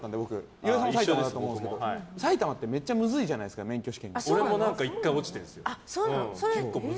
岩井さんも埼玉だと思いますけど埼玉ってめっちゃむずいじゃないですか俺も１回落ちてるんですよ。